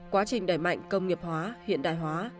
quá trình đẩy mạnh công nghiệp hóa hiện đại hóa